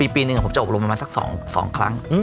ปีหนึ่งผมจะอบรมประมาณสัก๒ครั้ง